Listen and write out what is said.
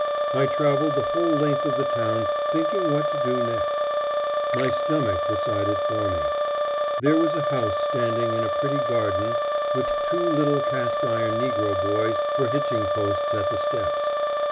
I travelled the whole length of the town thinking what to do next. My stomach decided for me. There was a house standing in a pretty garden with two little cast iron negro boys for hitching posts at the steps.